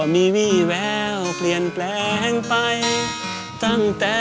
พี่แต๊กช่วยร้องมา